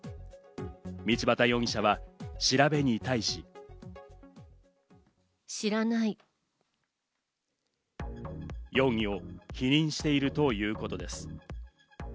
道端容疑者は調べに対し。容疑を否認しているということです。